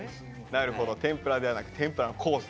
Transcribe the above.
なるほど天ぷらではなく天ぷらのコース。